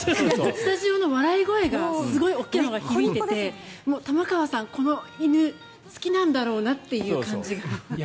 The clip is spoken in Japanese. スタジオの笑い声がすごい大きなのが響いていて玉川さんはこの犬好きなんだろうなという感じが。